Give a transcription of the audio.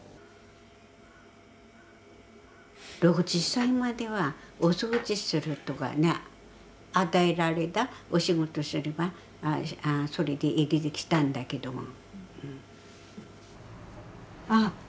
６０歳まではお掃除するとかね与えられたお仕事すればそれで生きてきたんだけども。